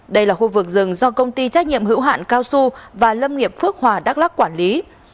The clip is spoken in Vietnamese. đây là khu vực rừng do công ty trách nhiệm hữu hạn kaosu và lâm nghiệp phước hòa đắc lắc quản lý